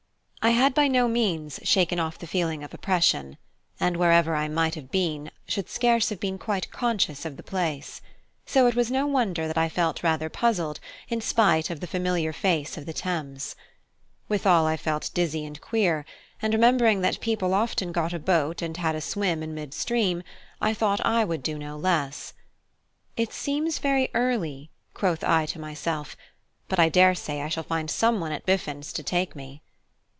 I had by no means shaken off the feeling of oppression, and wherever I might have been should scarce have been quite conscious of the place; so it was no wonder that I felt rather puzzled in despite of the familiar face of the Thames. Withal I felt dizzy and queer; and remembering that people often got a boat and had a swim in mid stream, I thought I would do no less. It seems very early, quoth I to myself, but I daresay I shall find someone at Biffin's to take me.